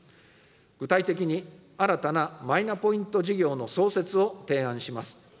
具体的に新たなマイナポイント事業の創設を提案します。